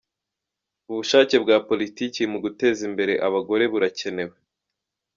Ubushake bwa Politiki mu guteza imbere abagore buracyakenewe.